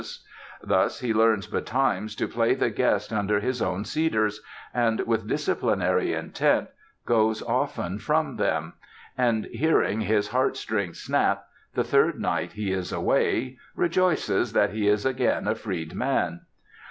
Thus he learns betimes to play the guest under his own cedars, and, with disciplinary intent, goes often from them; and, hearing his heart strings snap the third night he is away, rejoices that he is again a freedman.